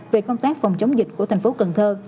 về công tác phòng chống dịch của tp cần thơ